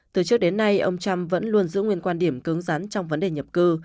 từ trước đến nay ông trump vẫn luôn giữ nguyên quan điểm cứng rắn trong vấn đề nhập cư